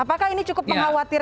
apakah ini cukup mengkhawatirkan